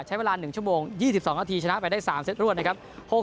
ใช้เวลา๑ชั่วโมง๒๒นาทีชนะไปได้๓เซตรวดนะครับ